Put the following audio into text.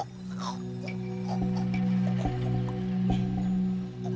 ih kencingnya kok kayak binatang